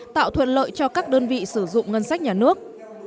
tạo thuận lợi cho các đơn vị sử dụng ngân sách nhà nước